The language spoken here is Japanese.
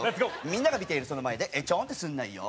「みんなが見ているその前でちょんってすなよ」